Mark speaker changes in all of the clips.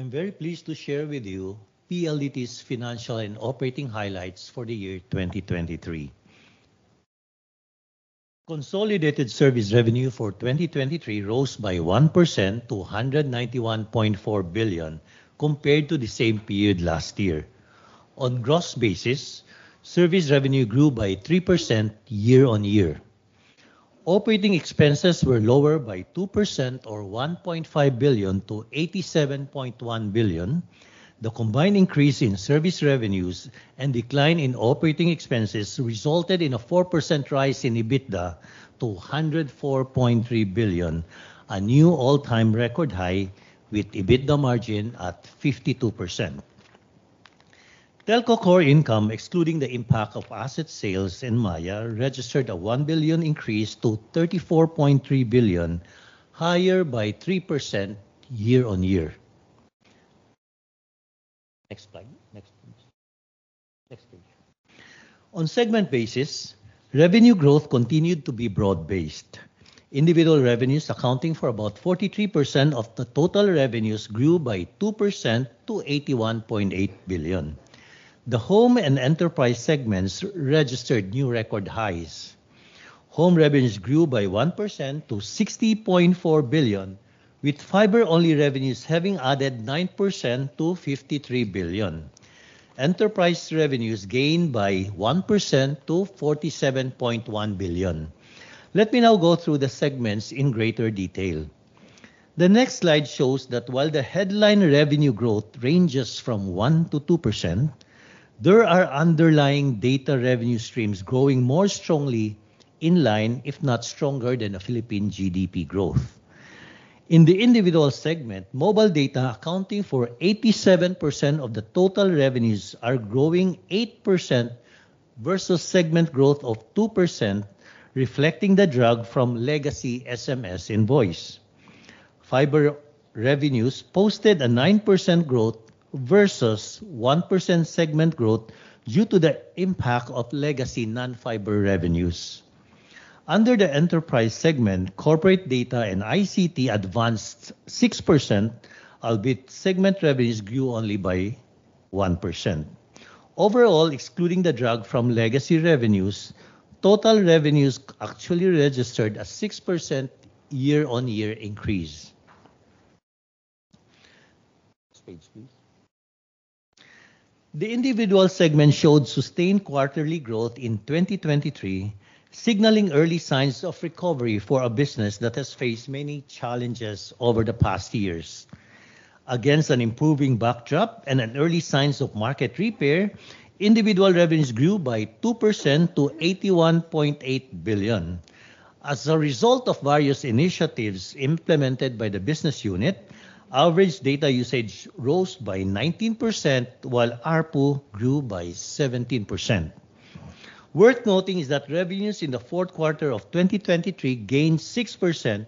Speaker 1: I'm very pleased to share with you PLDT's financial and operating highlights for the year 2023. Consolidated service revenue for 2023 rose by 1% to 191.4 billion compared to the same period last year. On gross basis, service revenue grew by 3% year-on-year. Operating expenses were lower by 2% or 1.5 billion to 87.1 billion. The combined increase in service revenues and decline in operating expenses resulted in a 4% rise in EBITDA to 104.3 billion, a new all-time record high with EBITDA margin at Telco Core income, excluding the impact of asset sales and Maya, registered a 1 billion increase to 34.3 billion, higher by 3% year-on-year. Next slide, next, please. Next page. On segment basis, revenue growth continued to be broad-based. Individual revenues, accounting for about 43% of the total revenues, grew by 2% to 81.8 billion. The home and enterprise segments registered new record highs. Home revenues grew by 1% to 60.4 billion, with fiber-only revenues having added 9% to 53 billion. Enterprise revenues gained by 1% to 47.1 billion. Let me now go through the segments in greater detail. The next slide shows that while the headline revenue growth ranges from 1%-2%, there are underlying data revenue streams growing more strongly in line, if not stronger, than the Philippine GDP growth. In the individual segment, mobile data, accounting for 87% of the total revenues, are growing 8% versus segment growth of 2%, reflecting the drag from legacy SMS voice. Fiber revenues posted a 9% growth versus 1% segment growth due to the impact of legacy non-fiber revenues. Under the enterprise segment, corporate data and ICT advanced 6%, albeit segment revenues grew only by 1%. Overall, excluding the drag from legacy revenues, total revenues actually registered a 6% year-on-year increase. Next page, please. The individual segment showed sustained quarterly growth in 2023, signaling early signs of recovery for a business that has faced many challenges over the past years. Against an improving backdrop and early signs of market repair, individual revenues grew by 2% to 81.8 billion. As a result of various initiatives implemented by the business unit, average data usage rose by 19% while ARPU grew by 17%. Worth noting is that revenues in the fourth quarter of 2023 gained 6%,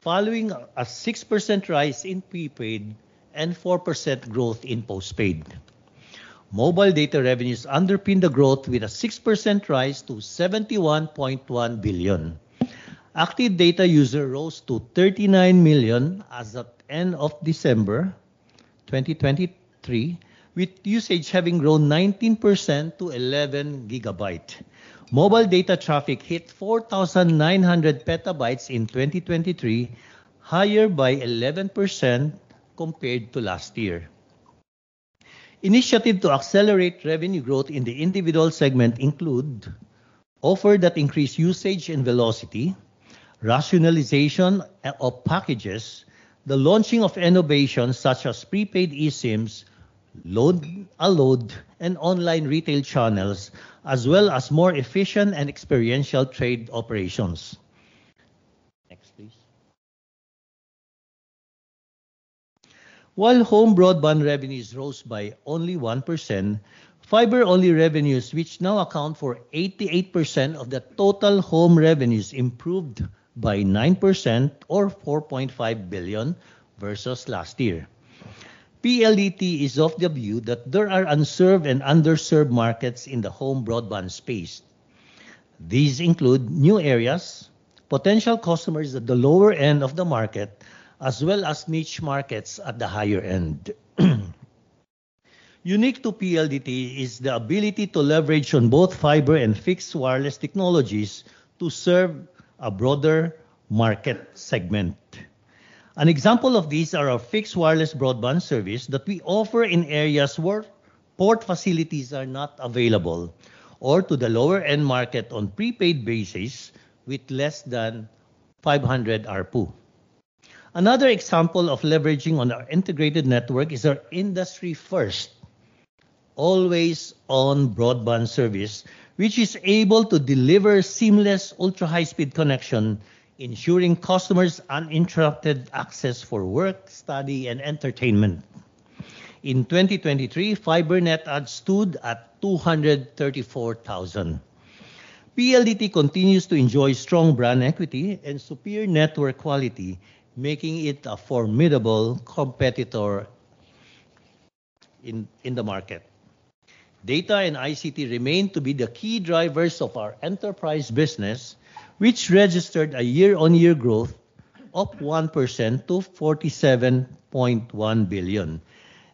Speaker 1: following a 6% rise in prepaid and 4% growth in postpaid. Mobile data revenues underpinned the growth with a 6% rise to 71.1 billion. Active data users rose to 39 million as of the end of December 2023, with usage having grown 19% to 11 GB. Mobile data traffic hit 4,900 petabytes in 2023, higher by 11% compared to last year. Initiatives to accelerate revenue growth in the individual segment include: offer that increased usage and velocity; rationalization of packages; the launching of innovations such as prepaid eSIMs, Loan-A-Load, and online retail channels, as well as more efficient and experiential trade operations. Next, please. While home broadband revenues rose by only 1%, fiber-only revenues, which now account for 88% of the total home revenues, improved by 9% or 4.5 billion versus last year. PLDT is of the view that there are unserved and underserved markets in the home broadband space. These include new areas, potential customers at the lower end of the market, as well as niche markets at the higher end. Unique to PLDT is the ability to leverage both fiber and fixed wireless technologies to serve a broader market segment. An example of these are our fixed wireless broadband service that we offer in areas where port facilities are not available, or to the lower-end market on a prepaid basis with less than 500 ARPU. Another example of leveraging on our integrated network is our industry-first, Always On broadband service, which is able to deliver seamless ultra-high-speed connection, ensuring customers' uninterrupted access for work, study, and entertainment. In 2023, Fiber net adds stood at 234,000. PLDT continues to enjoy strong brand equity and superior network quality, making it a formidable competitor in the market. Data and ICT remain to be the key drivers of our enterprise business, which registered a year-on-year growth of 1% to 47.1 billion.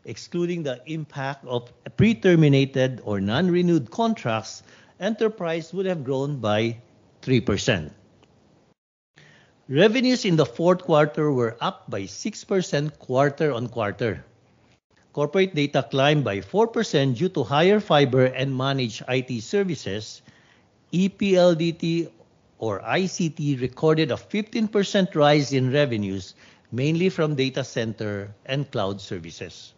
Speaker 1: Excluding the impact of preterminated or non-renewed contracts, enterprise would have grown by 3%. Revenues in the fourth quarter were up by 6% quarter-on-quarter. Corporate data climbed by 4% due to higher fiber and managed IT services. ePLDT or ICT recorded a 15% rise in revenues, mainly from data center and cloud services.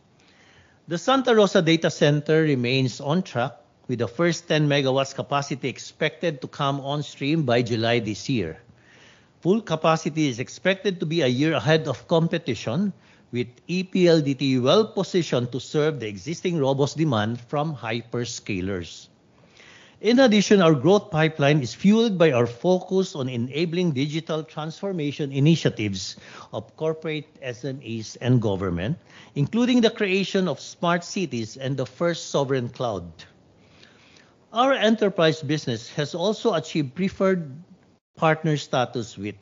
Speaker 1: The Santa Rosa data center remains on track, with the first 10 MW capacity expected to come on stream by July this year. Full capacity is expected to be a year ahead of competition, with ePLDT well-positioned to serve the existing robust demand from hyperscalers. In addition, our growth pipeline is fueled by our focus on enabling digital transformation initiatives of corporate SMEs and government, including the creation of smart cities and the first sovereign cloud. Our enterprise business has also achieved preferred partner status with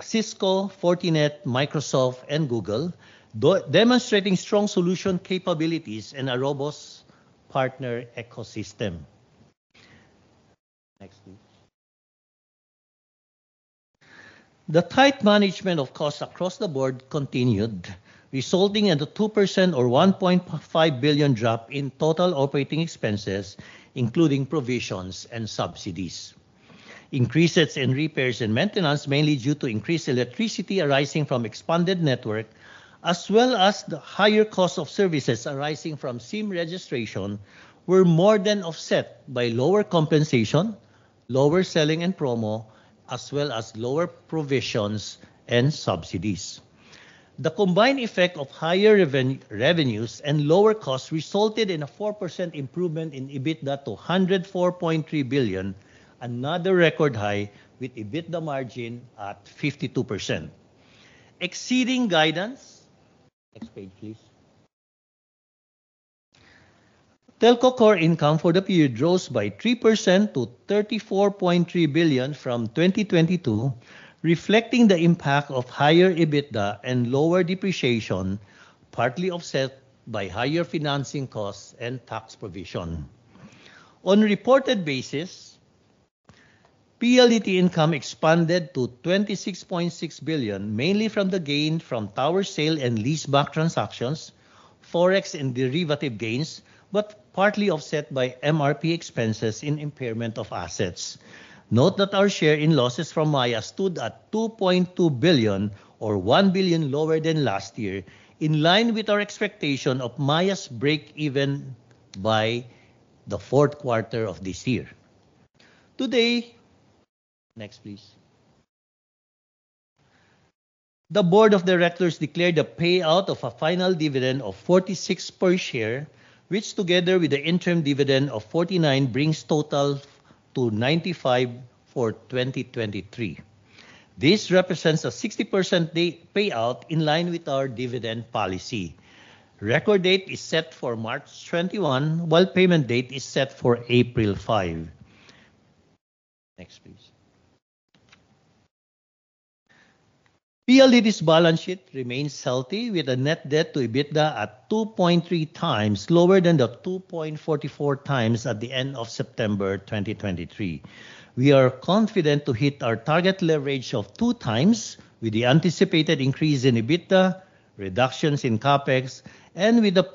Speaker 1: Cisco, Fortinet, Microsoft, and Google, demonstrating strong solution capabilities and a robust partner ecosystem. Next, please. The tight management of costs across the board continued, resulting in a 2% or 1.5 billion drop in total operating expenses, including provisions and subsidies. Increases in repairs and maintenance, mainly due to increased electricity arising from expanded network, as well as the higher cost of services arising from SIM registration, were more than offset by lower compensation, lower selling and promo, as well as lower provisions and subsidies. The combined effect of higher revenues and lower costs resulted in a 4% improvement in EBITDA to 104.3 billion, another record high, with EBITDA margin at 52%. Exceeding guidance. Next page, Telco Core income for the period rose by 3% to 34.3 billion from 2022, reflecting the impact of higher EBITDA and lower depreciation, partly offset by higher financing costs and tax provision. On reported basis, PLDT income expanded to 26.6 billion, mainly from the gain from tower sale and leaseback transactions, forex, and derivative gains, but partly offset by MRP expenses in impairment of assets. Note that our share in losses from Maya stood at 2.2 billion or 1 billion lower than last year, in line with our expectation of Maya break-even by the fourth quarter of this year. Today. Next, please. The board of directors declared the payout of a final dividend of 46 per share, which together with the interim dividend of 49 brings total to 95 for 2023. This represents a 60% payout in line with our dividend policy. Record date is set for March 21, while payment date is set for April 5. Next, please. PLDT's balance sheet remains healthy, with a net debt to EBITDA at 2.3 times lower than the 2.44 times at the end of September 2023. We are confident to hit our target leverage of 2 times, with the anticipated increase in EBITDA, reductions in CapEx, and with the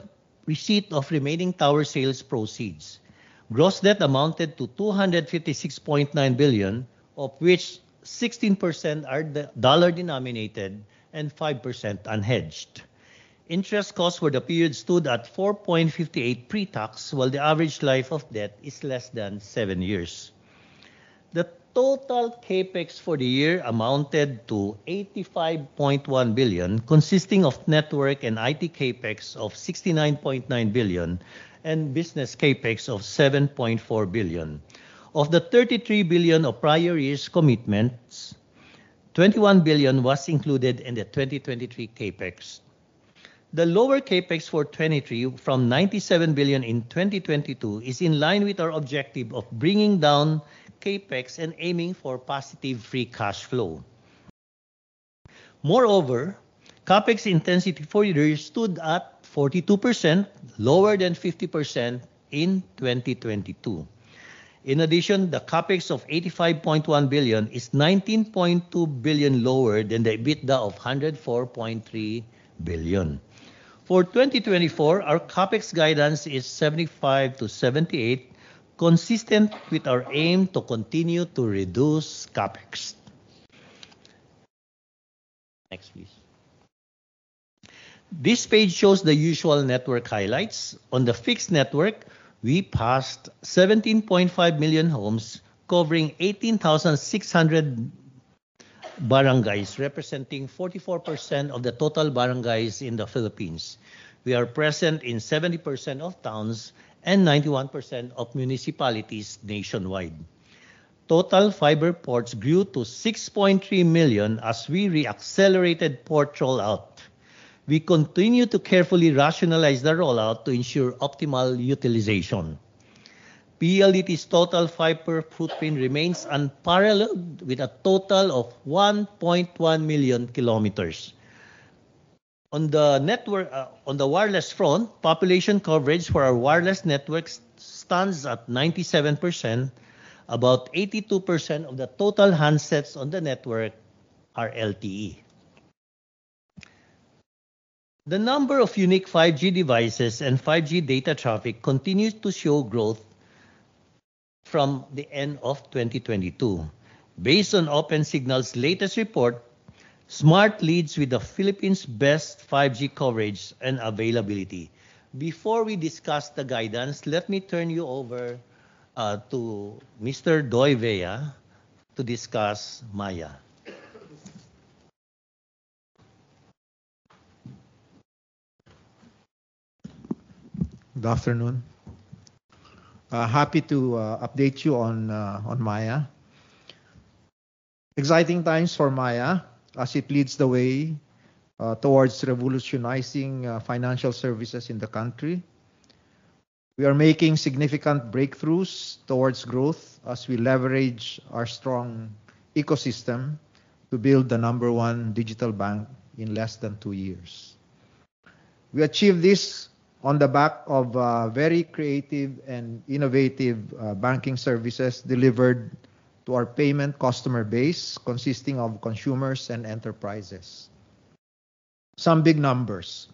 Speaker 1: receipt of remaining tower sales proceeds. Gross debt amounted to 256.9 billion, of which 16% are dollar-denominated and 5% unhedged. Interest costs for the period stood at 4.58% pre-tax, while the average life of debt is less than 7 years. The total CapEx for the year amounted to 85.1 billion, consisting of network and IT CapEx of 69.9 billion and business CapEx of 7.4 billion. Of the 33 billion of prior year's commitments, 21 billion was included in the 2023 CapEx. The lower CapEx for 2023, from 97 billion in 2022, is in line with our objective of bringing down CapEx and aiming for positive free cash flow. Moreover, CapEx intensity for the year stood at 42%, lower than 50% in 2022. In addition, the CapEx of 85.1 billion is 19.2 billion lower than the EBITDA of 104.3 billion. For 2024, our CapEx guidance is 75 billion-78 billion, consistent with our aim to continue to reduce CapEx. Next, please. This page shows the usual network highlights. On the fixed network, we passed 17.5 million homes, covering 18,600 barangays, representing 44% of the total barangays in the Philippines. We are present in 70% of towns and 91% of municipalities nationwide. Total fiber ports grew to 6.3 million as we re-accelerated port rollout. We continue to carefully rationalize the rollout to ensure optimal utilization. PLDT's total fiber footprint remains unparalleled, with a total of 1.1 million kilometers. On the wireless front, population coverage for our wireless networks stands at 97%, about 82% of the total handsets on the network are LTE. The number of unique 5G devices and 5G data traffic continues to show growth from the end of 2022. Based on Opensignal latest report, Smart leads with the Philippines' best 5G coverage and availability. Before we discuss the guidance, let me turn you over to Mr. Doy Vea to discuss Maya.
Speaker 2: Good afternoon. Happy to update you on Maya. Exciting times for Maya as it leads the way towards revolutionizing financial services in the country. We are making significant breakthroughs towards growth as we leverage our strong ecosystem to build the number one digital bank in less than 2 years. We achieved this on the back of very creative and innovative banking services delivered to our payment customer base, consisting of consumers and enterprises. Some big numbers.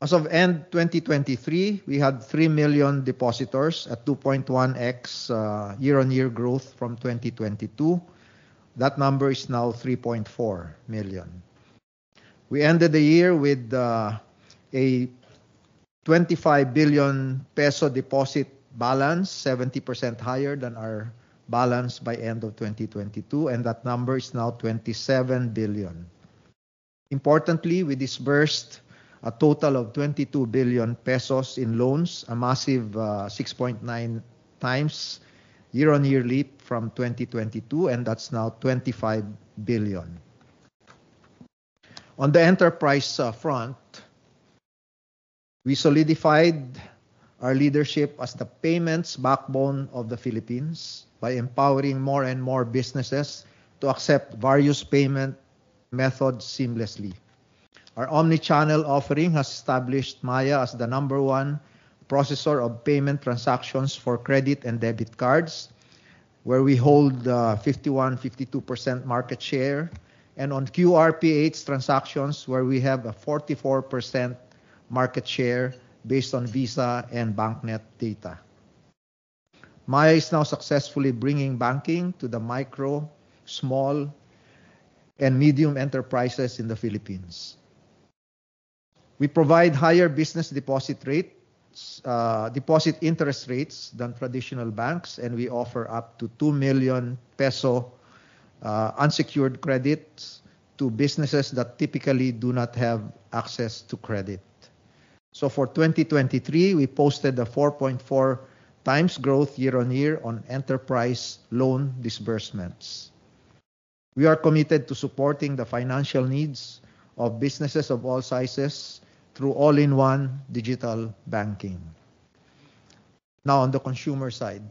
Speaker 2: As of the end of 2023, we had 3 million depositors at 2.1x year-on-year growth from 2022. That number is now 3.4 million. We ended the year with a 25 billion peso deposit balance, 70% higher than our balance by the end of 2022, and that number is now 27 billion. Importantly, we disbursed a total of 22 billion pesos in loans, a massive 6.9 times year-on-year leap from 2022, and that's now 25 billion. On the enterprise front, we solidified our leadership as the payments backbone of the Philippines by empowering more and more businesses to accept various payment methods seamlessly. Our omnichannel offering has established Maya as the number one processor of payment transactions for credit and debit cards, where we hold 51%-52% market share, and on QR Ph transactions, where we have a 44% market share based on Visa and BancNet data. Maya is now successfully bringing banking to the micro, small, and medium enterprises in the Philippines. We provide higher business deposit interest rates than traditional banks, and we offer up to 2 million peso unsecured credits to businesses that typically do not have access to credit. So for 2023, we posted a 4.4 times growth year-on-year on enterprise loan disbursements. We are committed to supporting the financial needs of businesses of all sizes through all-in-one digital banking. Now, on the consumer side.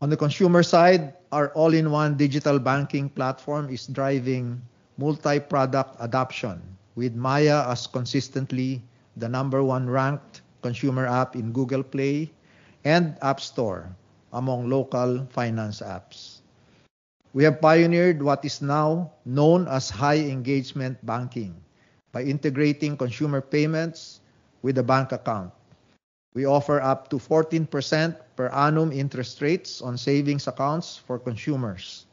Speaker 2: On the consumer side, our all-in-one digital banking platform is driving multi-product adoption, with Maya as consistently the number one-ranked consumer app in Google Play and App Store among local finance apps. We have pioneered what is now known as high engagement banking by integrating consumer payments with a bank account. We offer up to 14% per annum interest rates on savings accounts for consumers.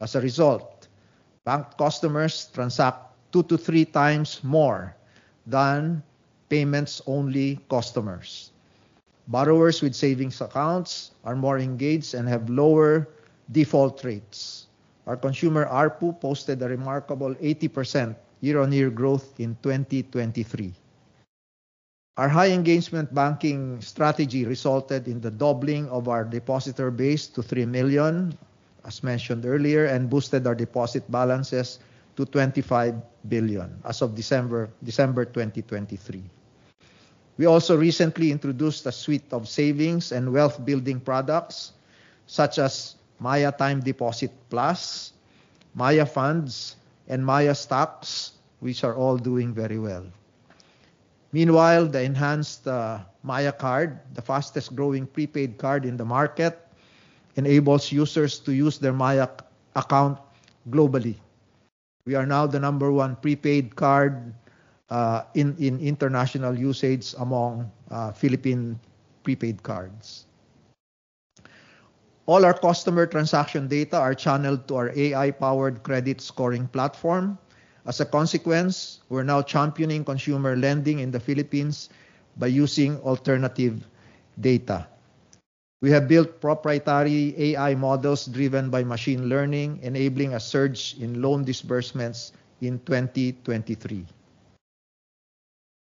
Speaker 2: As a result, bank customers transact 2-3 times more than payments-only customers. Borrowers with savings accounts are more engaged and have lower default rates. Our consumer ARPU posted a remarkable 80% year-on-year growth in 2023. Our high engagement banking strategy resulted in the doubling of our depositor base to 3 million, as mentioned earlier, and boosted our deposit balances to 25 billion as of December 2023. We also recently introduced a suite of savings and wealth-building products such as Maya Time Deposit Plus, Maya Funds, and Maya Stocks, which are all doing very well. Meanwhile, the enhanced Maya Card, the fastest-growing prepaid card in the market, enables users to use their Maya account globally. We are now the number one prepaid card in international usage among Philippine prepaid cards. All our customer transaction data are channeled to our AI-powered credit scoring platform. As a consequence, we're now championing consumer lending in the Philippines by using alternative data. We have built proprietary AI models driven by machine learning, enabling a surge in loan disbursements in 2023.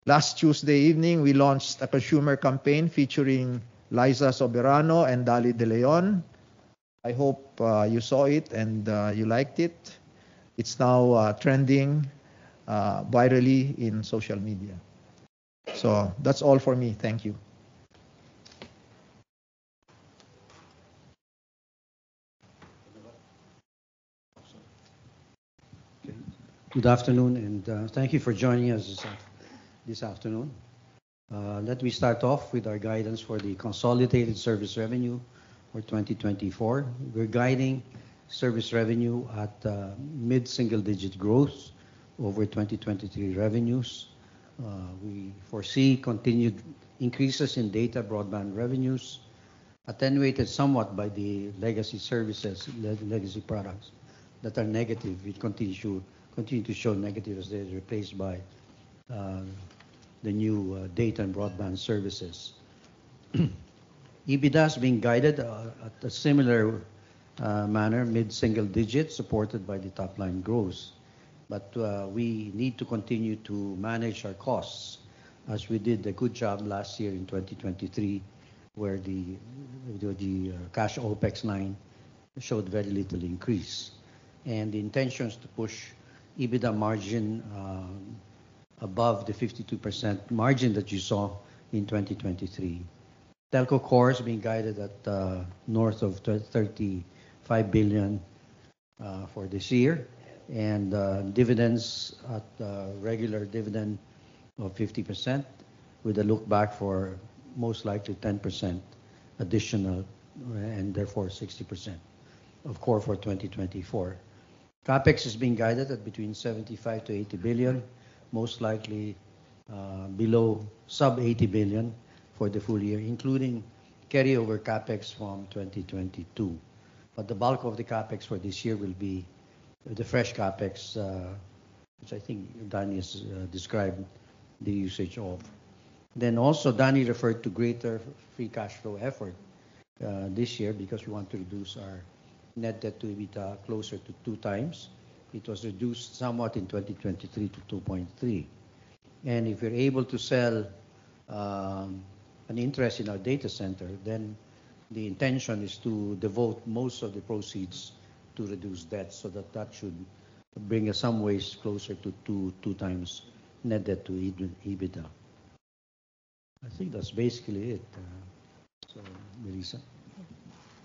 Speaker 2: Last Tuesday evening, we launched a consumer campaign featuring Liza Soberano and Dolly de Leon. I hope you saw it and you liked it. It's now trending virally in social media. So that's all for me. Thank you. Good afternoon, and thank you for joining us this afternoon. Let me start off with our guidance for the consolidated service revenue for 2024. We're guiding service revenue at mid-single-digit growth over 2023 revenues. We foresee continued increases in data broadband revenues, attenuated somewhat by the legacy services, legacy products that are negative. It continues to show negative as they're replaced by the new data and broadband services. EBITDA is being guided at a similar manner, mid-single digit, supported by the top-line growth. But we need to continue to manage our costs as we did a good job last year in 2023, where the cash OpEx line showed very little increase. And the intentions to push EBITDA margin above the 52% margin that you saw in 2023. Telco Core is being guided at north of 35 billion for this year, and dividends at regular dividend of 50%, with a look back for most likely 10% additional and therefore 60% of core for 2024. CapEx is being guided at between 75 billion-80 billion, most likely below sub-PHP 80 billion for the full year, including carryover CapEx from 2022. But the bulk of the CapEx for this year will be the fresh CapEx, which I think Danny has described the usage of. Then also, Danny referred to greater free cash flow effort this year because we want to reduce our net debt to EBITDA closer to 2x. It was reduced somewhat in 2023 to 2.3. And if we're able to sell an interest in our data center, then the intention is to devote most of the proceeds to reduce debt so that that should bring us some ways closer to 2x net debt to EBITDA. I think that's basically it. So, Melissa.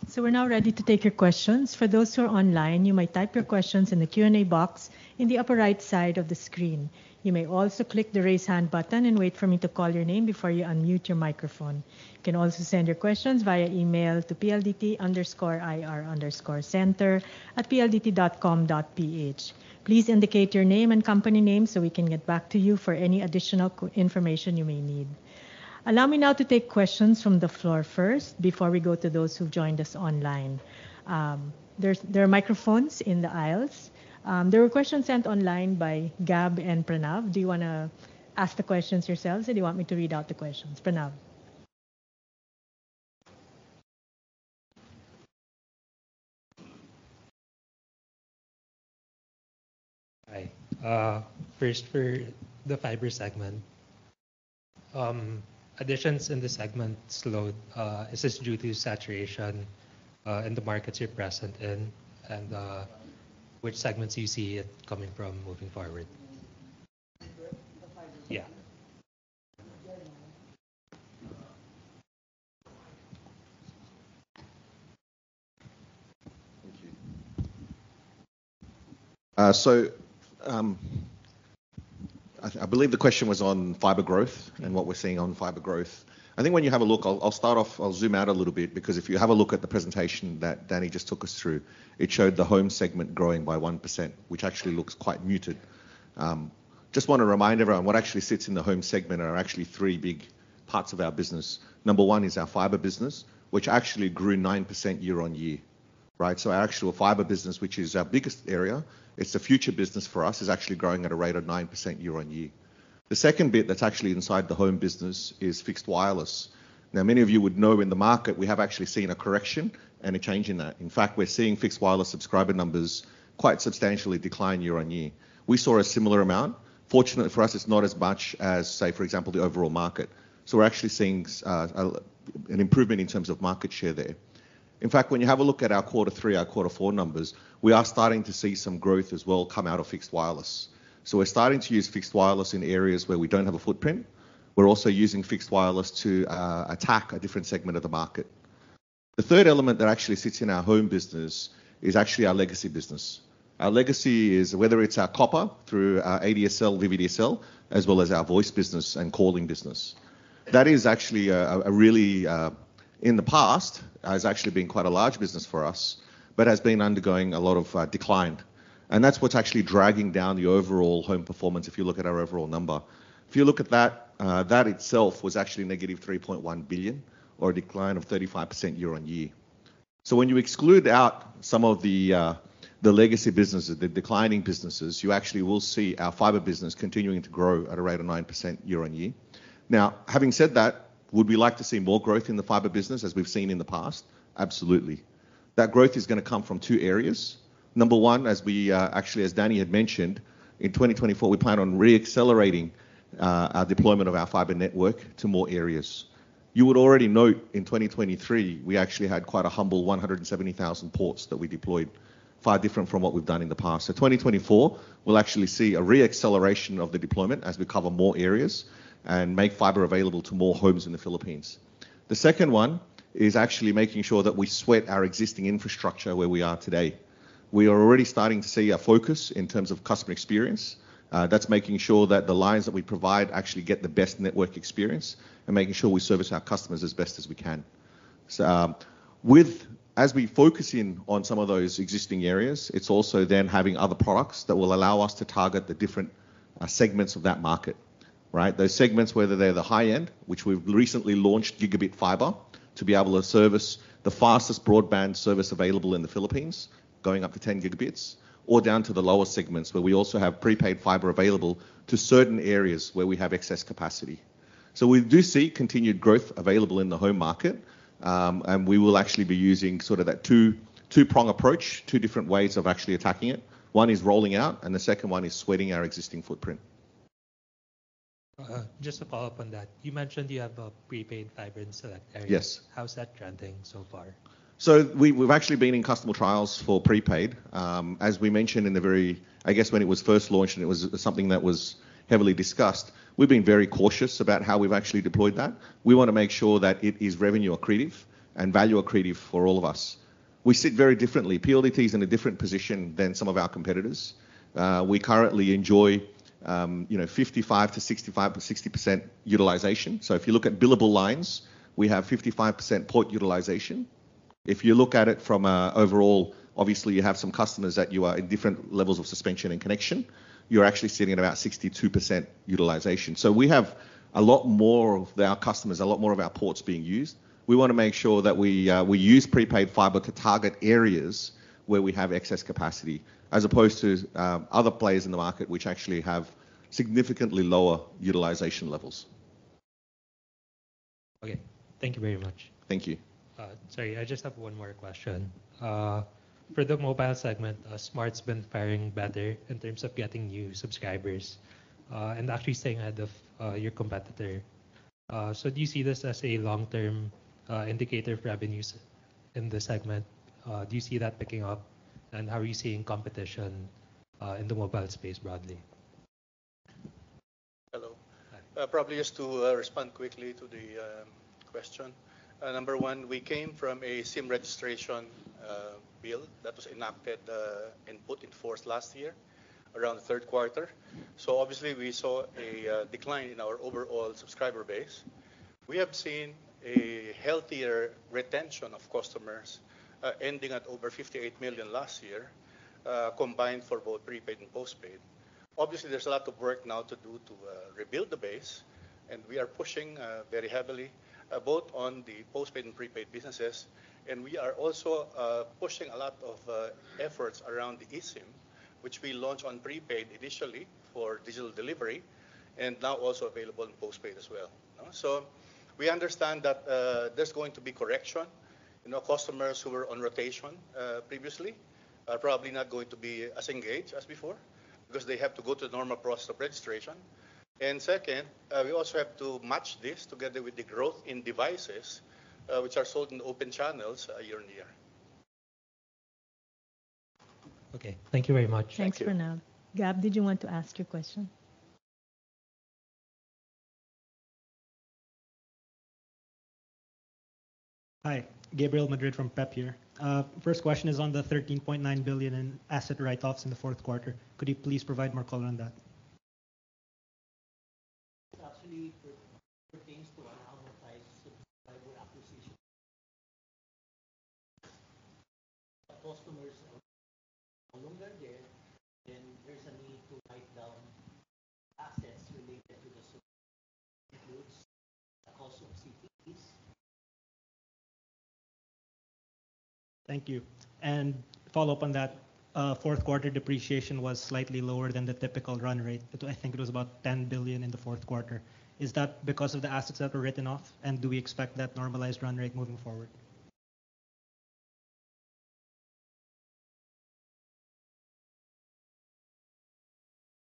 Speaker 3: So we're now ready to take your questions. For those who are online, you may type your questions in the Q&A box in the upper right side of the screen. You may also click the raise hand button and wait for me to call your name before you unmute your microphone. You can also send your questions via email to pldt_ir_center@pldt.com.ph. Please indicate your name and company name so we can get back to you for any additional information you may need. Allow me now to take questions from the floor first before we go to those who've joined us online. There are microphones in the aisles. There were questions sent online by Gab and Pranav. Do you want to ask the questions yourselves, or do you want me to read out the questions? Pranav.
Speaker 4: Hi. First, for the fiber segment, additions in the segment slowed. Is this due to saturation in the markets you're present in, and which segments do you see it coming from moving forward? The fiber.
Speaker 2: Yeah. Thank you. So I believe the question was on fiber growth and what we're seeing on fiber growth. I think when you have a look, I'll zoom out a little bit because if you have a look at the presentation that Danny just took us through, it showed the home segment growing by 1%, which actually looks quite muted. Just want to remind everyone, what actually sits in the home segment are actually three big parts of our business. Number one is our fiber business, which actually grew 9% year-on-year, right? So our actual fiber business, which is our biggest area, it's a future business for us, is actually growing at a rate of 9% year-on-year. The second bit that's actually inside the home business is fixed wireless. Now, many of you would know in the market, we have actually seen a correction and a change in that. In fact, we're seeing fixed wireless subscriber numbers quite substantially decline year-on-year. We saw a similar amount. Fortunately for us, it's not as much as, say, for example, the overall market. So we're actually seeing an improvement in terms of market share there. In fact, when you have a look at our quarter three, our quarter four numbers, we are starting to see some growth as well come out of fixed wireless. So we're starting to use fixed wireless in areas where we don't have a footprint. We're also using fixed wireless to attack a different segment of the market. The third element that actually sits in our home business is actually our legacy business. Our legacy is whether it's our copper through our ADSL, VDSL, as well as our voice business and calling business. That is actually a really in the past, has actually been quite a large business for us, but has been undergoing a lot of decline. And that's what's actually dragging down the overall home performance if you look at our overall number. If you look at that, that itself was actually negative 3.1 billion or a decline of 35% year-on-year. So when you exclude out some of the legacy businesses, the declining businesses, you actually will see our fiber business continuing to grow at a rate of 9% year-on-year. Now, having said that, would we like to see more growth in the fiber business as we've seen in the past? Absolutely. That growth is going to come from two areas. Number one, as Danny had mentioned, in 2024, we plan on reaccelerating our deployment of our fiber network to more areas. You would already note in 2023, we actually had quite a humble 170,000 ports that we deployed, far different from what we've done in the past. So 2024, we'll actually see a reacceleration of the deployment as we cover more areas and make fiber available to more homes in the Philippines. The second one is actually making sure that we sweat our existing infrastructure where we are today. We are already starting to see a focus in terms of customer experience. That's making sure that the lines that we provide actually get the best network experience and making sure we service our customers as best as we can. As we focus in on some of those existing areas, it's also then having other products that will allow us to target the different segments of that market, right? Those segments, whether they're the high-end, which we've recently launched Gigabit Fiber to be able to service the fastest broadband service available in the Philippines, going up to 10 gigabits, or down to the lower segments where we also have prepaid fiber available to certain areas where we have excess capacity. We do see continued growth available in the home market, and we will actually be using sort of that two-prong approach, two different ways of actually attacking it. One is rolling out, and the second one is sweating our existing footprint. Just to follow up on that, you mentioned you have a prepaid fiber in select areas. How's that trending so far? So we've actually been in customer trials for prepaid. As we mentioned in the very I guess when it was first launched and it was something that was heavily discussed, we've been very cautious about how we've actually deployed that. We want to make sure that it is revenue accretive and value accretive for all of us. We sit very differently. PLDT is in a different position than some of our competitors. We currently enjoy 55%-60% utilization. So if you look at billable lines, we have 55% port utilization. If you look at it from an overall obviously, you have some customers that you are in different levels of suspension and connection. You're actually sitting at about 62% utilization. So we have a lot more of our customers, a lot more of our ports being used. We want to make sure that we use prepaid fiber to target areas where we have excess capacity as opposed to other players in the market which actually have significantly lower utilization levels.
Speaker 4: Okay. Thank you very much. Thank you. Sorry, I just have one more question. For the mobile segment, Smart's been faring better in terms of getting new subscribers and actually staying ahead of your competitor. So do you see this as a long-term indicator for revenues in the segment? Do you see that picking up? And how are you seeing competition in the mobile space broadly?
Speaker 2: Hello. Probably just to respond quickly to the question. Number one, we came from a SIM registration bill that was enacted and put in force last year around the third quarter. So obviously, we saw a decline in our overall subscriber base. We have seen a healthier retention of customers ending at over 58 million last year combined for both prepaid and postpaid. Obviously, there's a lot of work now to do to rebuild the base, and we are pushing very heavily both on the postpaid and prepaid businesses. And we are also pushing a lot of efforts around the eSIM, which we launched on prepaid initially for digital delivery and now also available in postpaid as well. So we understand that there's going to be correction. Customers who were on rotation previously are probably not going to be as engaged as before because they have to go through the normal process of registration. Second, we also have to match this together with the growth in devices which are sold in the open channels year-on-year.
Speaker 4: Okay. Thank you very much.
Speaker 5: Thanks. Thanks, Pranav. Gab, did you want to ask your question? Hi. Gabriel Madrid from PEP here. First question is on the 13.9 billion in asset write-offs in the fourth quarter. Could you please provide more color on that? It actually pertains to an amortized subscriber acquisition costs. Customers along their date, then there's a need to write down assets related to them. It includes the cost of CPEs. Thank you. And follow up on that, fourth quarter depreciation was slightly lower than the typical run rate. I think it was about 10 billion in the fourth quarter. Is that because of the assets that were written off, and do we expect that normalized run rate moving forward?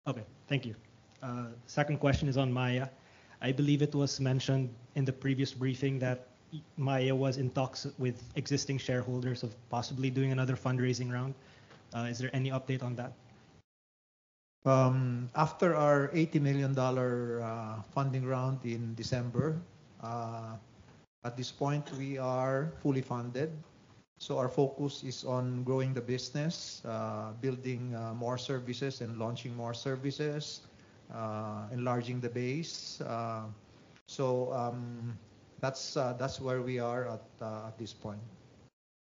Speaker 5: Okay. Thank you. Second question is on Maya. I believe it was mentioned in the previous briefing that Maya was in talks with existing shareholders of possibly doing another fundraising round. Is there any update on that? After our $80 million funding round in December, at this point, we are fully funded. So our focus is on growing the business, building more services, and launching more services, enlarging the base. So that's where we are at this point.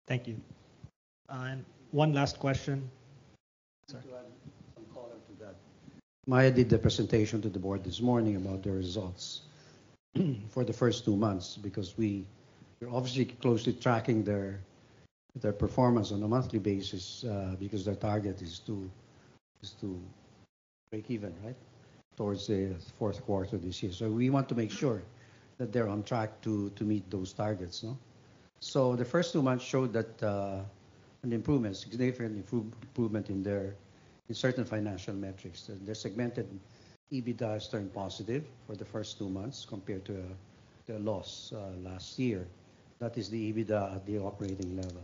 Speaker 5: Thank you. And one last question. Sorry. I want to add some color to that.
Speaker 2: Maya did the presentation to the board this morning about their results for the first two months because we're obviously closely tracking their performance on a monthly basis because their target is to break even, right, towards the fourth quarter this year. So we want to make sure that they're on track to meet those targets. The first two months showed an improvement, significant improvement in certain financial metrics. Their segmented EBITDA has turned positive for the first two months compared to the loss last year. That is the EBITDA at the operating level.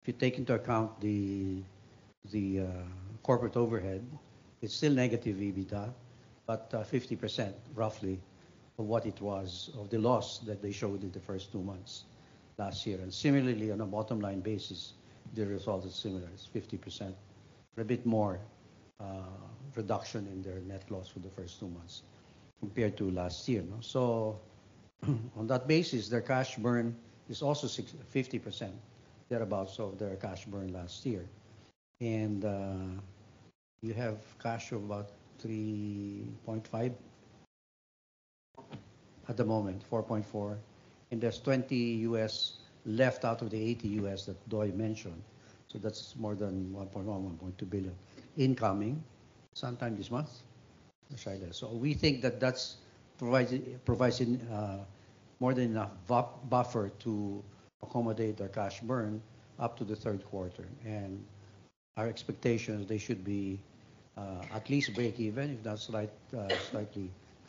Speaker 2: If you take into account the corporate overhead, it's still negative EBITDA, but 50%, roughly, of what it was of the loss that they showed in the first two months last year. Similarly, on a bottom-line basis, their result is similar. It's 50%, a bit more reduction in their net loss for the first two months compared to last year. On that basis, their cash burn is also 50% thereabouts of their cash burn last year. You have cash of about $3.5 at the moment, $4.4. There's $20 left out of the $80 that DOI mentioned. So that's more than 1.1 billion-1.2 billion incoming sometime this month, Shailesh. So we think that that's providing more than enough buffer to accommodate their cash burn up to the third quarter. And our expectation is they should be at least break even, if not slightly cash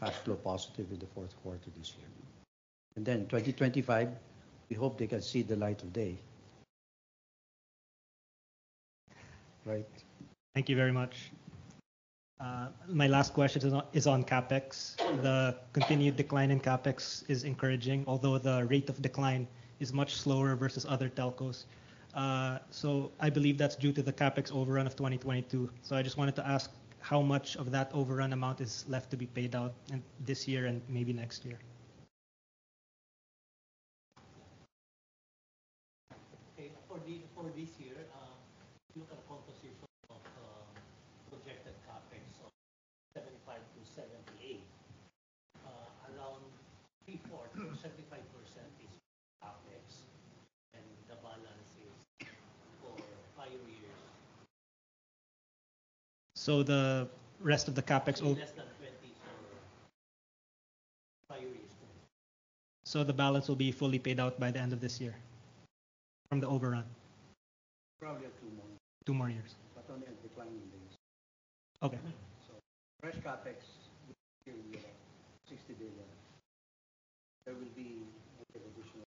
Speaker 2: flow positive in the fourth quarter this year. And then in 2025, we hope they can see the light of day, right?
Speaker 5: Thank you very much. My last question is on CapEx. The continued decline in CapEx is encouraging, although the rate of decline is much slower versus other telcos. So I believe that's due to the CapEx overrun of 2022. So I just wanted to ask how much of that overrun amount is left to be paid out this year and maybe next year? Okay.
Speaker 2: For this year, if you look at the composition of projected CapEx of PHP 75-78 billion, around three-fourths, 75% is CapEx, and the balance is for 5 years. So the rest of the CapEx? Less than 20 billion for 5 years. So the balance will be fully paid out by the end of this year from the overrun? Probably two more. Two more years. But only on declining days. So fresh CapEx this year, we're at PHP 60 billion. There will be additional PHP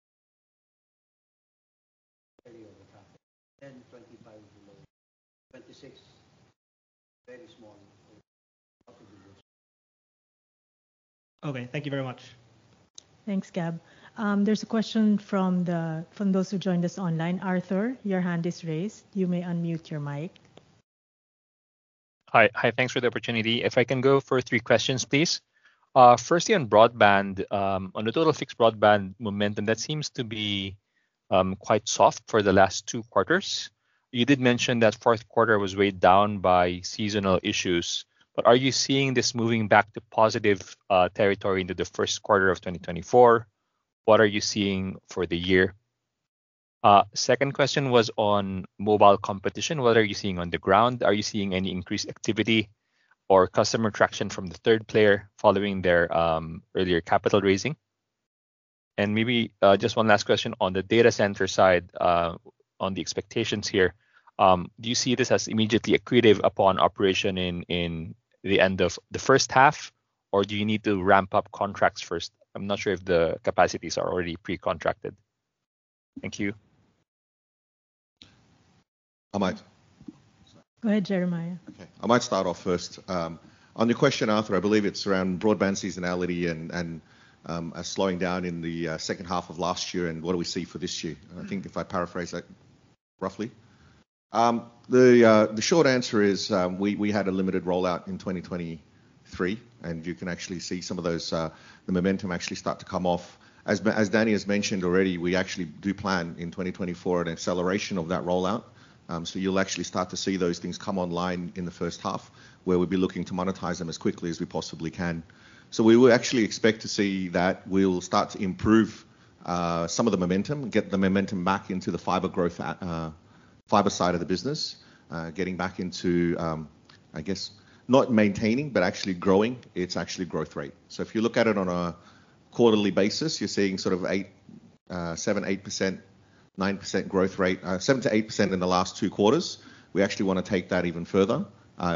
Speaker 2: 30 billion of the CapEx. Then 25 billion below. 26 billion, very small, out of the bush.
Speaker 3: Okay. Thank you very much. Thanks, Gab. There's a question from those who joined us online. Arthur, your hand is raised. You may unmute your mic. Hi. Hi. Thanks for the opportunity. If I can go for three questions, please. Firstly, on broadband, on the total fixed broadband momentum, that seems to be quite soft for the last two quarters. You did mention that fourth quarter was weighed down by seasonal issues. Are you seeing this moving back to positive territory into the first quarter of 2024? What are you seeing for the year? Second question was on mobile competition. What are you seeing on the ground? Are you seeing any increased activity or customer traction from the third player following their earlier capital raising? Maybe just one last question on the data center side, on the expectations here. Do you see this as immediately accretive upon operation in the end of the first half, or do you need to ramp up contracts first? I'm not sure if the capacities are already pre-contracted. Thank you. Go ahead, Jeremiah. Okay. I might start off first.
Speaker 2: On your question, Arthur, I believe it's around broadband seasonality and slowing down in the second half of last year and what do we see for this year, I think, if I paraphrase that roughly. The short answer is we had a limited rollout in 2023, and you can actually see some of those, the momentum actually start to come off. As Danny has mentioned already, we actually do plan in 2024 an acceleration of that rollout. So you'll actually start to see those things come online in the first half where we'll be looking to monetize them as quickly as we possibly can. So we will actually expect to see that we'll start to improve some of the momentum, get the momentum back into the fiber growth fiber side of the business, getting back into, I guess, not maintaining, but actually growing. It's actually growth rate. So if you look at it on a quarterly basis, you're seeing sort of 7, 8%, 9% growth rate, 7%-8% in the last two quarters. We actually want to take that even further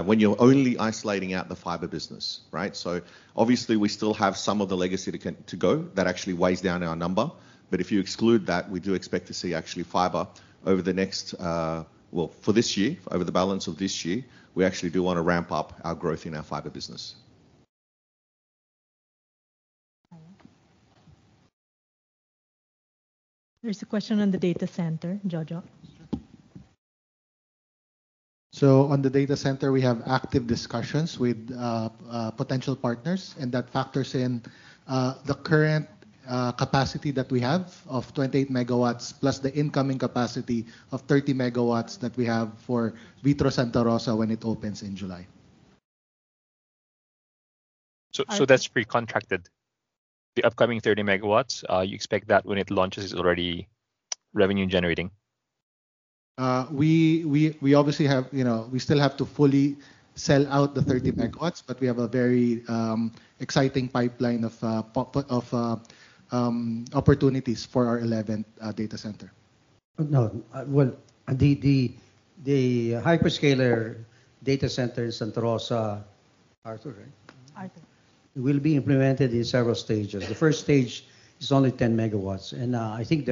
Speaker 2: when you're only isolating out the fiber business, right? So obviously, we still have some of the legacy to go that actually weighs down our number. But if you exclude that, we do expect to see actually fiber over the next well, for this year, over the balance of this year, we actually do want to ramp up our growth in our fiber business. There's a question on the data center, Jojo. So on the data center, we have active discussions with potential partners, and that factors in the current capacity that we have of 28 megawatts plus the incoming capacity of 30 megawatts that we have for VITRO Santa Rosa when it opens in July. So that's pre-contracted, the upcoming 30 megawatts. You expect that when it launches, it's already revenue-generating? We obviously still have to fully sell out the 30 megawatts, but we have a very exciting pipeline of opportunities for our 11th data center. No. Well, the hyperscaler data center in Santa Rosa, Arthur, right? Arthur. It will be implemented in several stages. The first stage is only 10 megawatts. And I think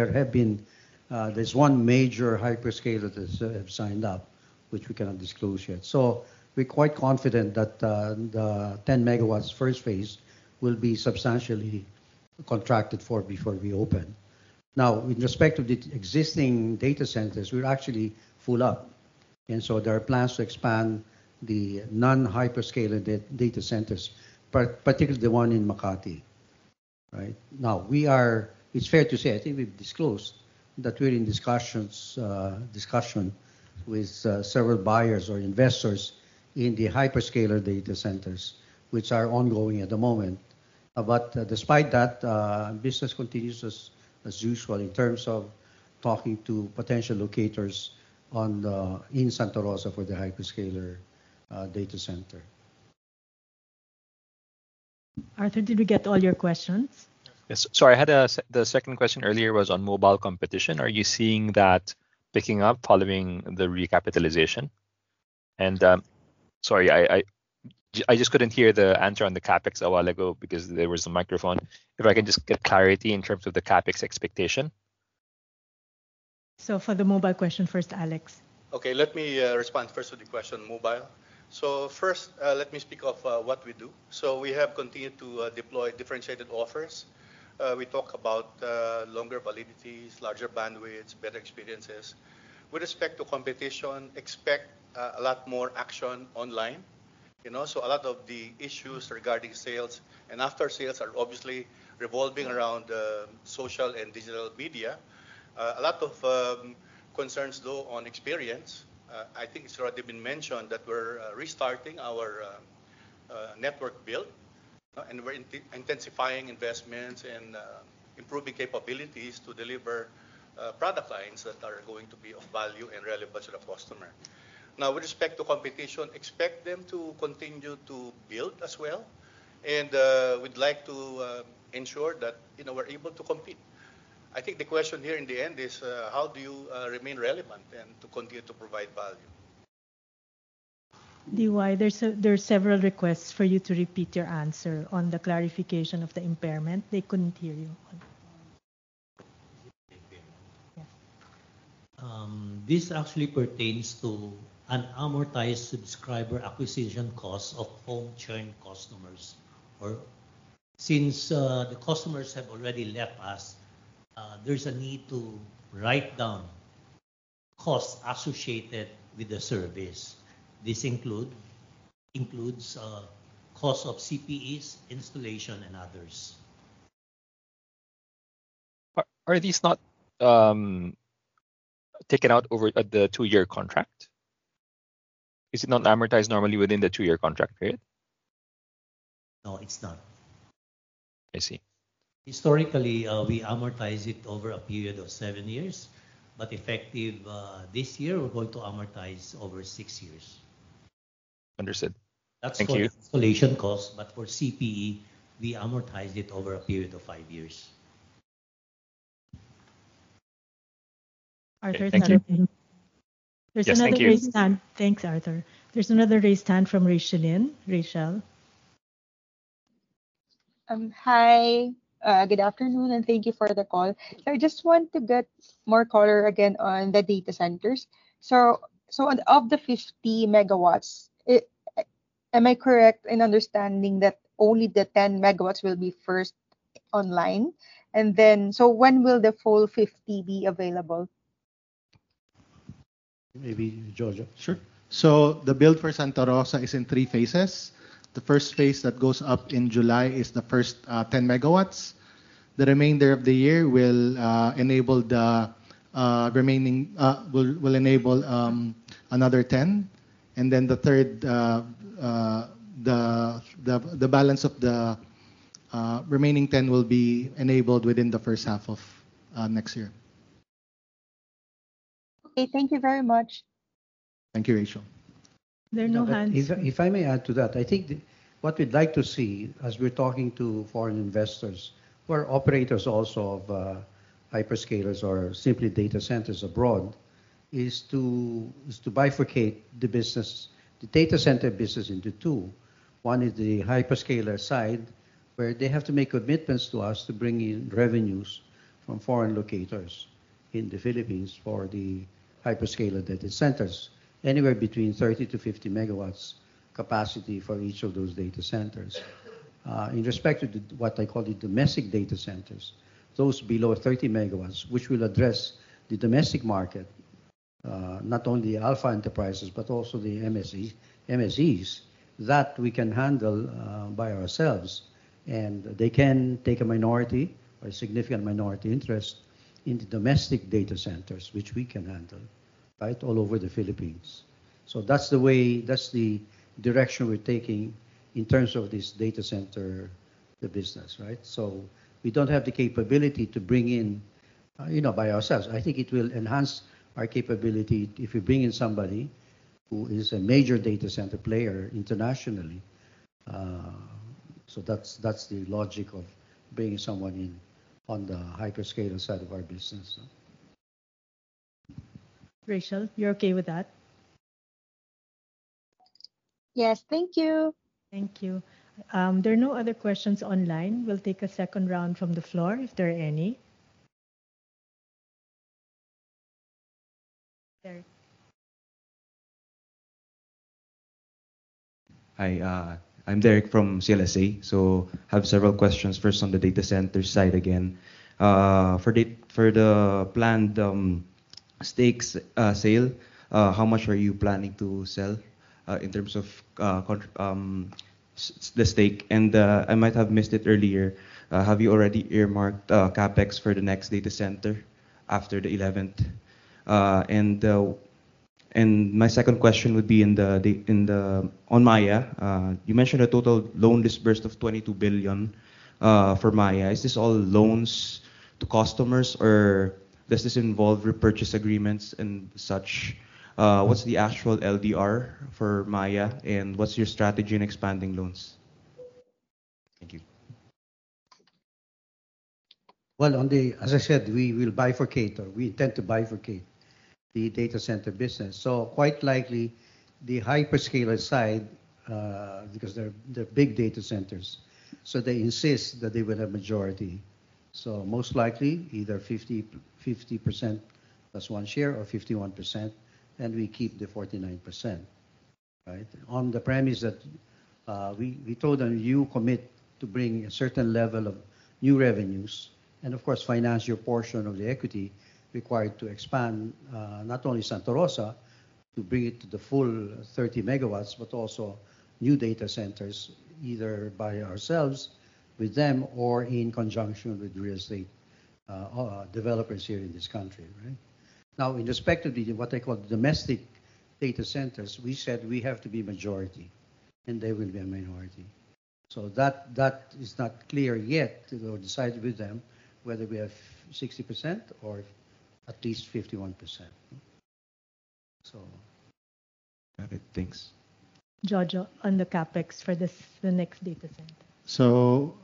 Speaker 2: there's one major hyperscaler that has signed up, which we cannot disclose yet. So we're quite confident that the 10 megawatts first phase will be substantially contracted for before we open.
Speaker 1: Now, with respect to the existing data centers, we're actually full up. And so there are plans to expand the non-hyperscaler data centers, particularly the one in Makati, right? Now, it's fair to say I think we've disclosed that we're in discussion with several buyers or investors in the hyperscaler data centers, which are ongoing at the moment. But despite that, business continues as usual in terms of talking to potential locators in Santa Rosa for the hyperscaler data center. Arthur, did we get all your questions? Yes. Sorry. The second question earlier was on mobile competition. Are you seeing that picking up following the recapitalization? And sorry, I just couldn't hear the answer on the CapEx a while ago because there was a microphone. If I can just get clarity in terms of the CapEx expectation. So for the mobile question first, Alex. Okay. Let me respond first with your question, mobile. First, let me speak of what we do. We have continued to deploy differentiated offers. We talk about longer validities, larger bandwidths, better experiences. With respect to competition, expect a lot more action online. A lot of the issues regarding sales and after sales are obviously revolving around social and digital media. A lot of concerns, though, on experience. I think it's already been mentioned that we're restarting our network build, and we're intensifying investments and improving capabilities to deliver product lines that are going to be of value and relevant to the customer. Now, with respect to competition, expect them to continue to build as well. We'd like to ensure that we're able to compete. I think the question here in the end is, how do you remain relevant and to continue to provide value? Danny, there's several requests for you to repeat your answer on the clarification of the impairment. They couldn't hear you. This actually pertains to an amortized subscriber acquisition cost of home-churn customers. Since the customers have already left us, there's a need to write down costs associated with the service. This includes costs of CPEs, installation, and others. Are these not taken out over the 2-year contract? Is it not amortized normally within the 2-year contract period? No, it's not. Historically, we amortize it over a period of 7 years. But effective this year, we're going to amortize over 6 years.
Speaker 6: Understood. Thank you. That's for installation costs. But for CPE, we amortize it over a period of 5 years. Arthur, is that okay? There's another raised hand. Thanks, Arthur. There's another raised hand from Rachel. Rachel. Hi. Good afternoon, and thank you for the call. So I just want to get more color again on the data centers. So of the 50 megawatts, am I correct in understanding that only the 10 megawatts will be first online? And then so when will the full 50 be available? Maybe Jojo. Sure. So the build for Santa Rosa is in three phases. The first phase that goes up in July is the first 10 megawatts. The remainder of the year will enable another 10. And then the third, the balance of the remaining 10 will be enabled within the first half of next year.
Speaker 1: Okay. Thank you very much. Thank you, Rachel. There are no hands. If I may add to that, I think what we'd like to see as we're talking to foreign investors who are operators also of hyperscalers or simply data centers abroad is to bifurcate the data center business into two. One is the hyperscaler side where they have to make commitments to us to bring in revenues from foreign locators in the Philippines for the hyperscaler data centers, anywhere between 30-50 MW capacity for each of those data centers. In respect to what I call the domestic data centers, those below 30 MW, which will address the domestic market, not only the Alpha enterprises but also the MSEs, that we can handle by ourselves. And they can take a minority or significant minority interest in the domestic data centers, which we can handle, right, all over the Philippines. So that's the way that's the direction we're taking in terms of this data center business, right? So we don't have the capability to bring in by ourselves. I think it will enhance our capability if we bring in somebody who is a major data center player internationally. So that's the logic of bringing someone in on the hyperscaler side of our business. Rachel, you're okay with that?
Speaker 3: Yes. Thank you. Thank you. There are no other questions online. We'll take a second round from the floor if there are any. Derek.
Speaker 7: Hi. I'm Derek from CLSA. So I have several questions. First, on the data center side again, for the planned stakes sale, how much are you planning to sell in terms of the stake? And I might have missed it earlier. Have you already earmarked CapEx for the next data center after the 11th? And my second question would be on Maya. You mentioned a total loan disbursed of 22 billion for Maya. Is this all loans to customers, or does this involve repurchase agreements and such? What's the actual LDR for Maya, and what's your strategy in expanding loans?
Speaker 2: Thank you. Well, as I said, we will bifurcate, or we intend to bifurcate the data center business. So quite likely, the hyperscaler side, because they're big data centers, so they insist that they will have majority. So most likely, either 50% plus one share or 51%, and we keep the 49%, right, on the premise that we told them, "You commit to bring a certain level of new revenues and, of course, finance your portion of the equity required to expand not only Santa Rosa to bring it to the full 30 MW but also new data centers either by ourselves with them or in conjunction with real estate developers here in this country," right? Now, with respect to what I call the domestic data centers, we said we have to be a majority, and they will be a minority. So that is not clear yet or decided with them whether we have 60% or at least 51%, so. Got it. Thanks. Jojo, on the CapEx for the next data center. So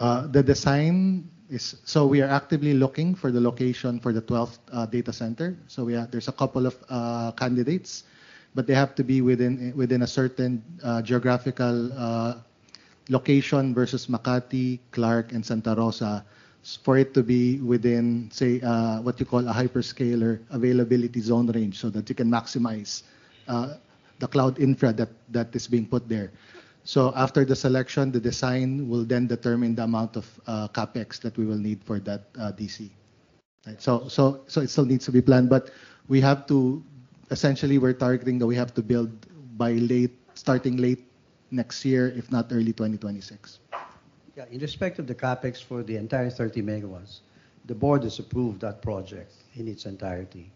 Speaker 2: the design is so we are actively looking for the location for the 12th data center. So there's a couple of candidates, but they have to be within a certain geographical location versus Makati, Clark, and Santa Rosa for it to be within, say, what you call a hyperscaler availability zone range so that you can maximize the cloud infra that is being put there. So after the selection, the design will then determine the amount of CapEx that we will need for that DC, right? So it still needs to be planned. But we have to essentially, we're targeting that we have to build starting late next year, if not early 2026. Yeah. In respect to the CapEx for the entire 30 MW, the board has approved that project in its entirety.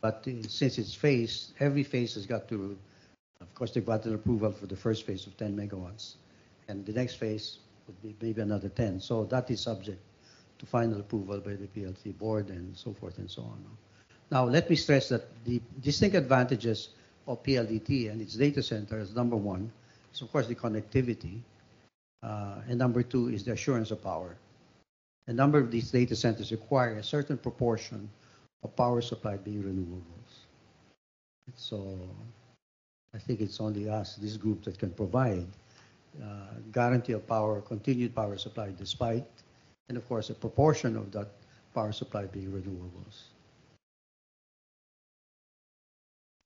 Speaker 2: But since it's phased, every phase has got to, of course, they've gotten approval for the first phase of 10 MW, and the next phase would be maybe another 10. So that is subject to final approval by the PLDT board and so forth and so on. Now, let me stress that the distinct advantages of PLDT and its data center is, number one, is, of course, the connectivity. And number two is the assurance of power. A number of these data centers require a certain proportion of power supply being renewables. So I think it's only us, this group, that can provide guarantee of continued power supply despite and, of course, a proportion of that power supply being renewables.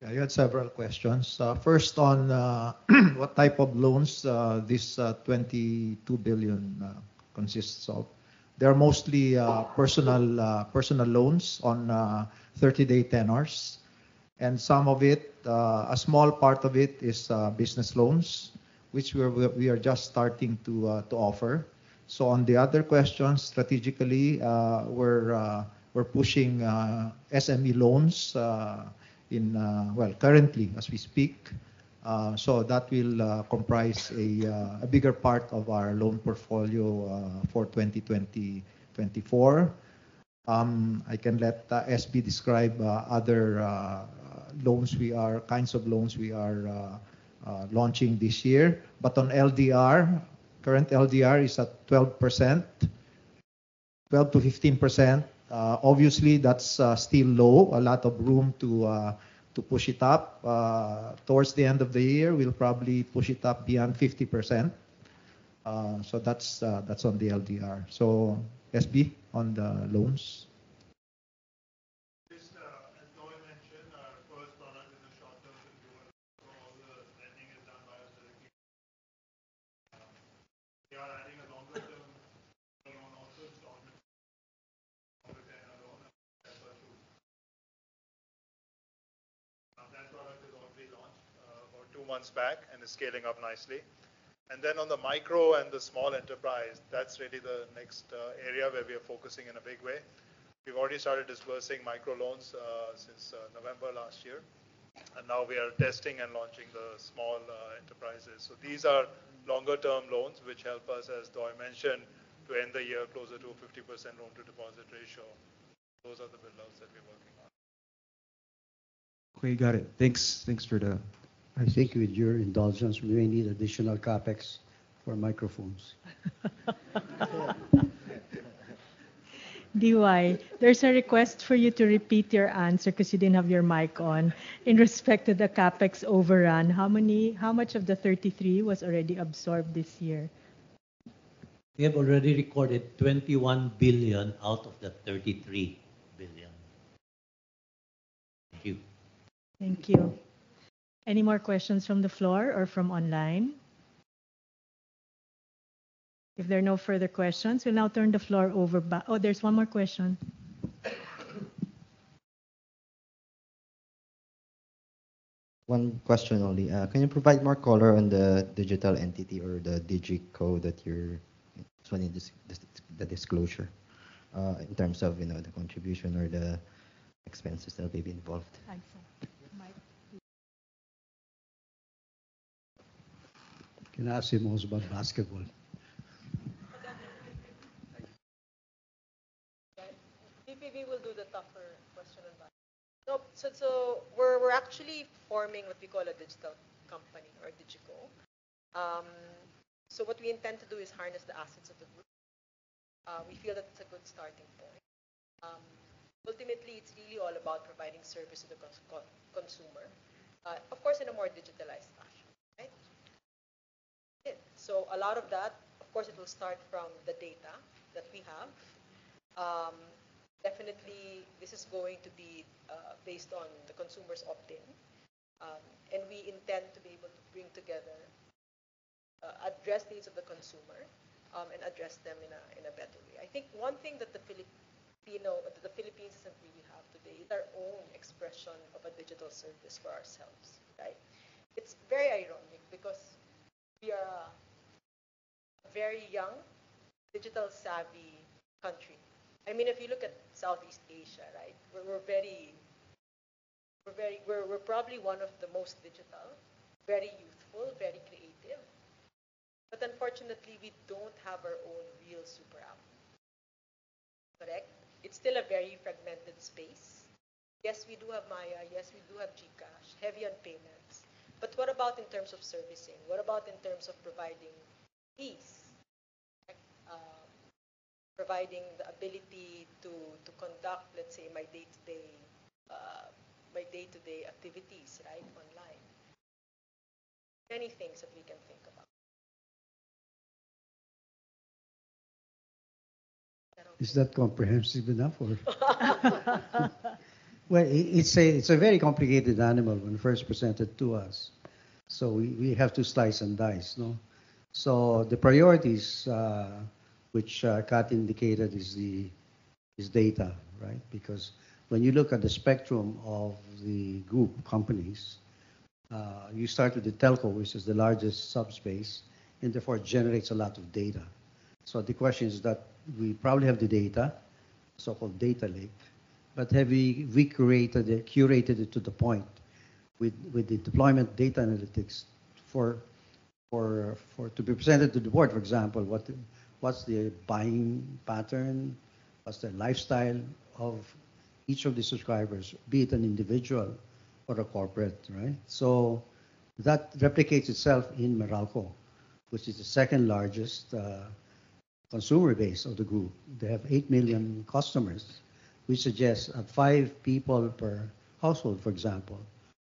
Speaker 2: Yeah. You had several questions. First, on what type of loans this 22 billion consists of. They are mostly personal loans on 30-day tenors. A small part of it is business loans, which we are just starting to offer. On the other questions, strategically, we're pushing SME loans, well, currently, as we speak. So that will comprise a bigger part of our loan portfolio for 2020-2024. I can let SB describe other loans we are kinds of loans we are launching this year. But on LDR, current LDR is at 12%-15%. Obviously, that's still low. A lot of room to push it up. Towards the end of the year, we'll probably push it up beyond 50%. So that's on the LDR. So SB on the loans. Just as Doy mentioned, first, in the short term, all the lending is done by us directly. We are adding a longer-term loan also, installment longer-term loan as well too. Now, that product has already launched about two months back and is scaling up nicely. And then on the micro and the small enterprise, that's really the next area where we are focusing in a big way. We've already started disbursing micro loans since November last year. And now we are testing and launching the small enterprises. So these are longer-term loans, which help us, as Doy mentioned, to end the year closer to a 50% loan-to-deposit ratio. Those are the buildouts that we're working on.
Speaker 7: Okay. Got it. Thanks for the. I think with your indulgence, we may need additional CapEx for microphones. Danny, there's a request for you to repeat your answer because you didn't have your mic on. In respect to the CapEx overrun, how much of the 33 was already absorbed this year? We have already recorded 21 billion out of the 33 billion. Thank you.
Speaker 3: Thank you. Any more questions from the floor or from online? If there are no further questions, we'll now turn the floor over back. Oh, there's one more question.
Speaker 8: One question only. Can you provide more color on the digital entity or the DigiCo that you're just wanting the disclosure in terms of the contribution or the expenses that will be involved? Can I ask you more about basketball? MVP will do the tougher question on basketball. So we're actually forming what we call a digital company or a DigiCo. So what we intend to do is harness the assets of the group. We feel that it's a good starting point. Ultimately, it's really all about providing service to the consumer, of course, in a more digitalized fashion, right? So a lot of that, of course, it will start from the data that we have. Definitely, this is going to be based on the consumer's opt-in. And we intend to be able to bring together address needs of the consumer and address them in a better way. I think one thing that the Philippines doesn't really have today is our own expression of a digital service for ourselves, right? It's very ironic because we are a very young, digital-savvy country. I mean, if you look at Southeast Asia, right, we're probably one of the most digital, very youthful, very creative. But unfortunately, we don't have our own real super app, correct? It's still a very fragmented space. Yes, we do have Maya. Yes, we do have GCash, heavy on payments. But what about in terms of servicing? What about in terms of providing fees, providing the ability to conduct, let's say, my day-to-day activities, right, online? Many things that we can think about.
Speaker 7: Is that comprehensive enough, or? Well, it's a very complicated animal when first presented to us. So we have to slice and dice, no? So the priorities, which Kat indicated, is data, right? Because when you look at the spectrum of the group companies, you start with the telco, which is the largest subspace, and therefore it generates a lot of data. So the question is that we probably have the data, so-called data lake, but have we curated it to the point with the deployment data analytics to be presented to the board, for example, what's the buying pattern? What's the lifestyle of each of the subscribers, be it an individual or a corporate, right? So that replicates itself in Meralco, which is the second-largest consumer base of the group. They have 8 million customers, which suggests at five people per household, for example.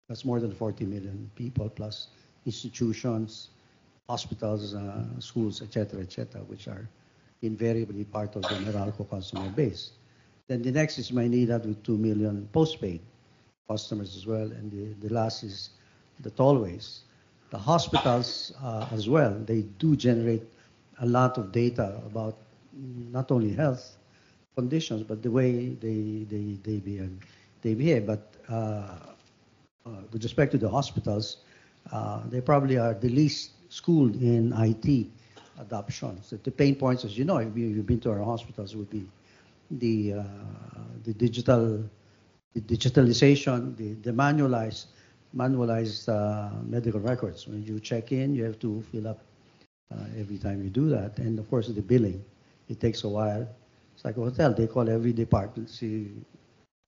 Speaker 7: That's more than 40 million people plus institutions, hospitals, schools, etc., etc., which are invariably part of the Meralco customer base. Then the next is Maynilad with 2 million postpaid customers as well. And the last is the tollways. The hospitals as well, they do generate a lot of data about not only health conditions but the way they behave. But with respect to the hospitals, they probably are the least schooled in IT adoption. So the pain points, as you know, if you've been to our hospitals, would be the digitalization, the manualized medical records. When you check in, you have to fill up every time you do that. And of course, the billing. It takes a while. It's like a hotel. They call every department to see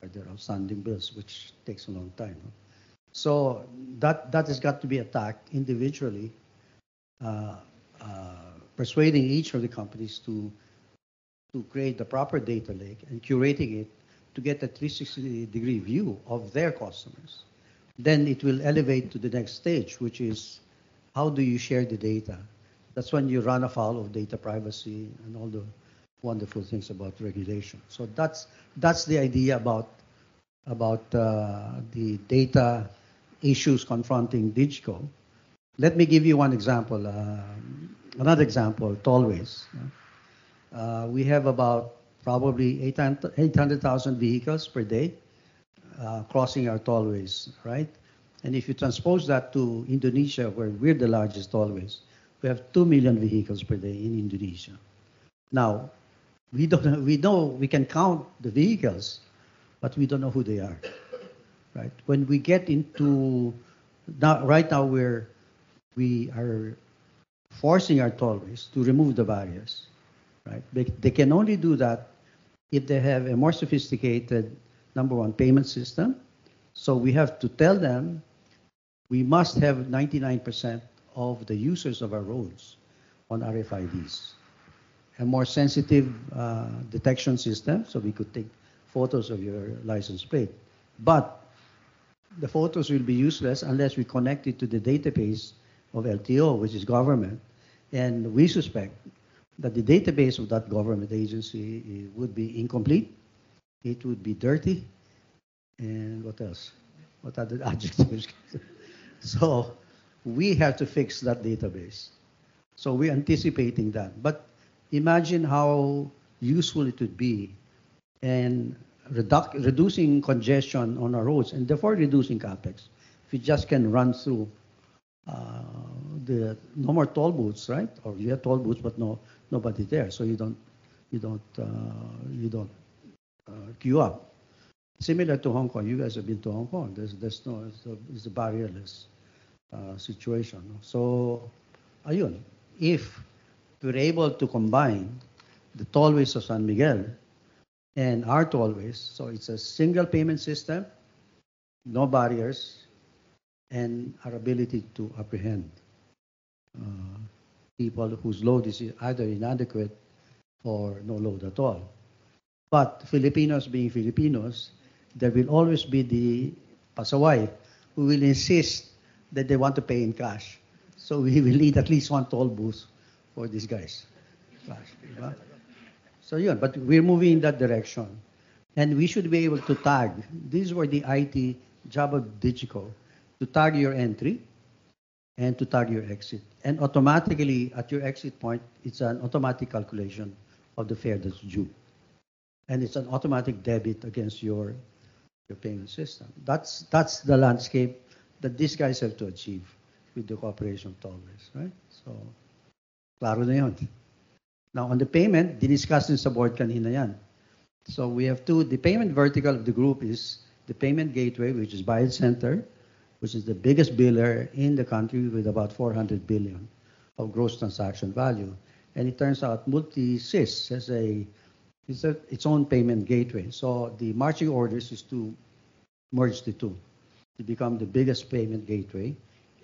Speaker 7: are there outstanding bills, which takes a long time, no? So that has got to be attacked individually, persuading each of the companies to create the proper data lake and curating it to get a 360-degree view of their customers. Then it will elevate to the next stage, which is how do you share the data? That's when you run afoul of data privacy and all the wonderful things about regulation. So that's the idea about the data issues confronting DigiCo. Let me give you another example, tollways. We have about probably 800,000 vehicles per day crossing our tollways, right? And if you transpose that to Indonesia, where we're the largest tollways, we have 2,000,000 vehicles per day in Indonesia. Now, we can count the vehicles, but we don't know who they are, right? When we get into right now, we are forcing our tollways to remove the barriers, right? They can only do that if they have a more sophisticated, number one, payment system. So we have to tell them, "We must have 99% of the users of our roads on RFIDs," a more sensitive detection system so we could take photos of your license plate. But the photos will be useless unless we connect it to the database of LTO, which is government. And we suspect that the database of that government agency would be incomplete. It would be dirty. And what else? What other adjectives? So we have to fix that database. So we're anticipating that. But imagine how useful it would be in reducing congestion on our roads and therefore reducing CapEx if you just can run through the no more toll booths, right? Or you have toll booths but nobody there so you don't queue up. Similar to Hong Kong. You guys have been to Hong Kong. It's a barrier-less situation, no? So ayun, if we're able to combine the tollways of San Miguel and our tollways, so it's a single payment system, no barriers, and our ability to apprehend people whose load is either inadequate or no load at all. But Filipinos, being Filipinos, there will always be the pasaway who will insist that they want to pay in cash. So we will need at least one toll booth for these guys, cash, di ba? So ayun. But we're moving in that direction. And we should be able to tag these were the IT job of DigiCo, to tag your entry and to tag your exit. And automatically, at your exit point, it's an automatic calculation of the fare that's due. And it's an automatic debit against your payment system. That's the landscape that these guys have to achieve with the cooperation of tollways, right? So klaro na 'yon. Now, on the payment, discussed in support kanina 'yan. So we have two. The payment vertical of the group is the payment gateway, which is Bayad Center, which is the biggest biller in the country with about 400 billion of gross transaction value. And it turns out, MultiSys has its own payment gateway. So the marching orders is to merge the two, to become the biggest payment gateway,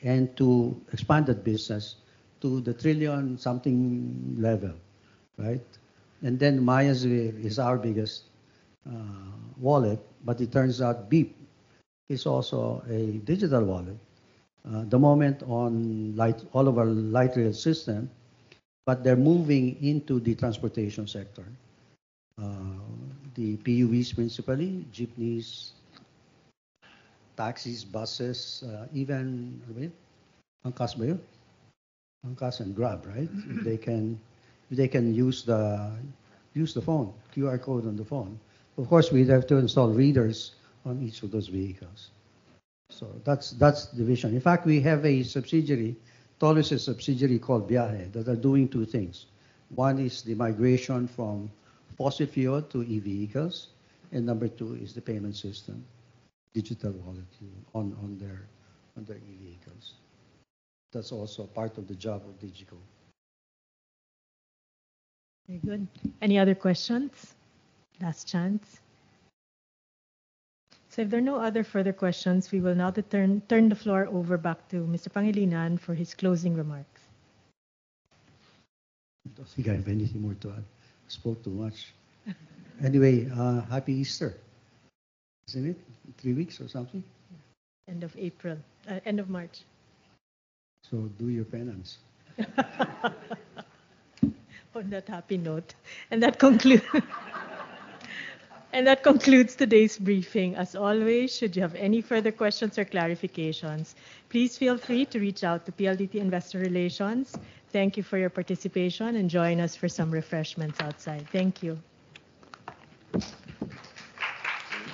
Speaker 7: and to expand that business to the trillion-something level, right? And then Maya is our biggest wallet. But it turns out, Beep is also a digital wallet the moment on all of our Light Rail system. But they're moving into the transportation sector, the PUVs principally, jeepneys, taxis, buses, even wait, Angkas ba 'yon? Angkas and Grab, right? If they can use the phone, QR code on the phone. Of course, we'd have to install readers on each of those vehicles. So that's the vision. In fact, we have a subsidiary, Tollways' subsidiary, called Byahe that are doing two things. One is the migration from fossil fuel to e-vehicles. And number two is the payment system, digital wallet, on their e-vehicles. That's also part of the job of DigiCo.
Speaker 3: Very good. Any other questions? Last chance. So if there are no other further questions, we will now turn the floor over back to Mr. Pangilinan for his closing remarks. I don't see if I have anything more to add. I spoke too much.
Speaker 1: Anyway, Happy Easter, isn't it? Three weeks or something? End of March. So do your penance. On that happy note, and that concludes today's briefing.
Speaker 3: As always, should you have any further questions or clarifications, please feel free to reach out to PLDT Investor Relations. Thank you for your participation. Join us for some refreshments outside. Thank you.